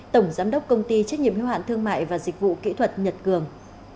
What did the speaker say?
tổng giám đốc công ty trách nhiệm hiếu hạn thương mại và dịch vụ kỹ thuật nhật cường